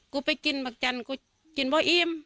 กูไปกินบังจันทร์กูกินบ่ออิ่ม